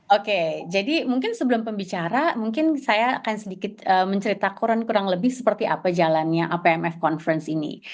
oke jadi mungkin sebelum pembicara mungkin saya akan sedikit mencerita kurang lebih seperti apa jalannya apmf conference ini